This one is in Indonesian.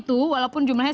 tapi kalau menurut ppatk